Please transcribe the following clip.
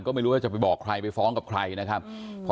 ก็ไม่รู้ว่าจะไปบอกใครไปฟ้องกับใครนะครับ